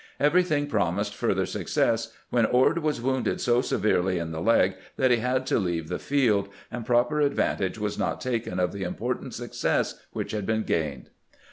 Everything promised further success, when Ord was wounded so severely in the leg that he had to leave the field, and proper advantage was not taken of the important success which had been gained.